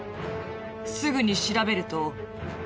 すぐに調べると。